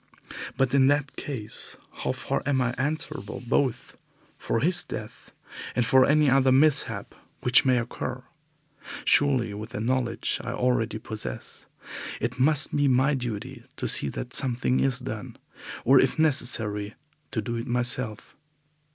But in that case, how far am I answerable both for his death and for any other mishap which may occur? Surely with the knowledge I already possess it must be my duty to see that something is done, or if necessary to do it myself.